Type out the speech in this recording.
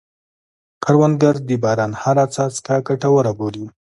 کروندګر د باران هره څاڅکه ګټوره بولي